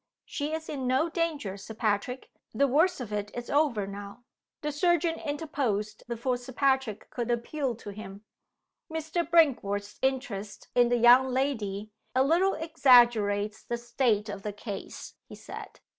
"She is in no danger, Sir Patrick the worst of it is over now." The surgeon interposed before Sir Patrick could appeal to him. "Mr. Brinkworth's interest in the young lady a little exaggerates the state of the case," he said.